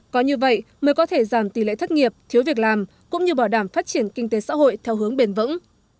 có như vậy mới có thể giảm tỷ lệ thất nghiệp thiếu việc làm cũng như bảo đảm phát triển kinh tế xã hội theo hướng bền vững